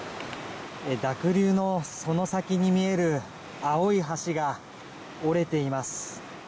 濁流のその先に見える青い橋が折れています。